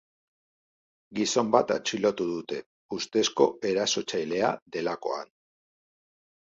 Gizon bat atxilotu dute, ustezko erasotzailea delakoan.